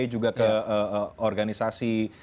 juga ke organisasi